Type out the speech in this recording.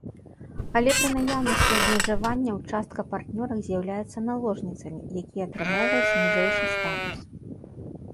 Але пры наяўнасці абмежаванняў частка партнёрак з'яўляецца наложніцамі, якія атрымоўваюць ніжэйшы статус.